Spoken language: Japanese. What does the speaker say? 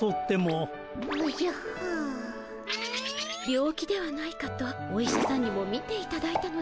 病気ではないかとお医者さんにもみていただいたのですが。